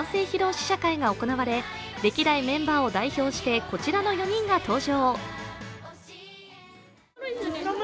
試写会が行われ歴代メンバーを代表してこちらの４人が登場。